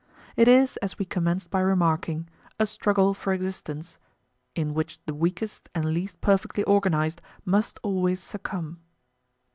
It is, as we commenced by remarking, "a struggle for existence," in [[p. 57]] which the weakest and least perfectly organized must always succumb.